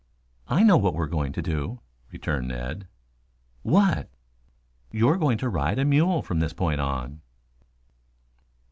"I know what you are going to do," returned Ned. "What?" "You're going to ride a mule from this point on."